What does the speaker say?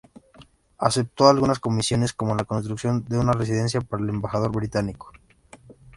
Aceptó algunas comisiones, como la construcción de una residencia para el embajador británico.